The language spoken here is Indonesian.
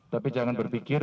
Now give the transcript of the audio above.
tapi jangan berpikir